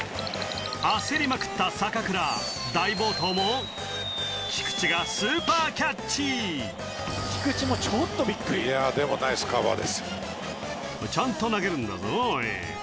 焦りまくった坂倉大暴投も菊池がスーパーキャッチ「ちゃんと投げるんだぞおい」